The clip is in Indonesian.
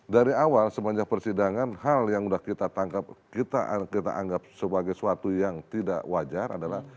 dari awal semenjak persidangan hal yang sudah kita tangkap kita anggap sebagai suatu yang tidak wajar adalah